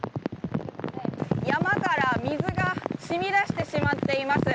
山から水が染み出してしまっています。